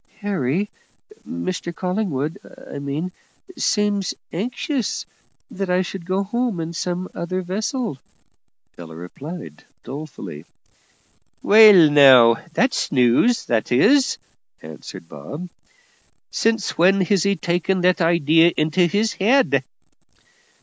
"Harry Mr Collingwood, I mean seems anxious that I should go home in some other vessel," Ella replied, dolefully. "Well, now, that's news, that is," answered Bob. "Since when has he taken that idee into his head?"